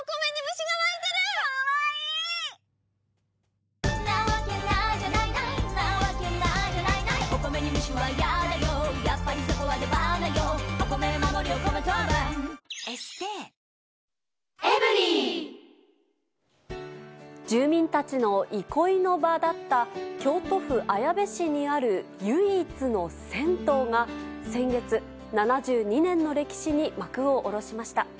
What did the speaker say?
新「グリーンズフリー」住民たちの憩いの場だった、京都府綾部市にある唯一の銭湯が、先月、７２年の歴史に幕を下ろしました。